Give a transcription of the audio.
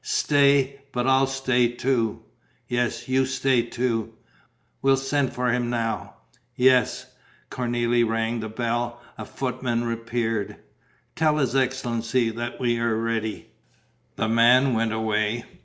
Stay. But I'll stay too." "Yes, you stay too." "We'll send for him now." "Yes." Cornélie rang the bell. A footman appeared. "Tell his excellency that we are ready." The man went away.